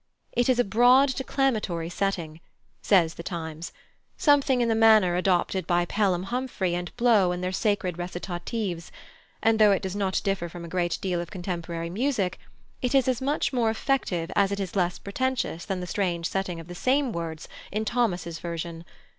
"It is a broad, declamatory setting" (says The Times), "something in the manner adopted by Pelham Humphrey and Blow in their sacred recitatives; and though it does not differ from a great deal of contemporary music, it is as much more effective as it is less pretentious than the strange setting of the same words in Thomas's version.